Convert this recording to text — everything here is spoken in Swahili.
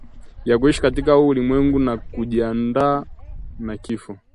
ya kuishi katika huu ulimwengu na kujiandaa na kifo